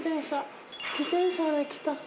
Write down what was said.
自転車で来た。